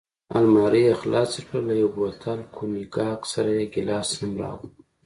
المارۍ یې خلاصه کړل، له یو بوتل کونیګاک سره یې ګیلاس هم راوړ.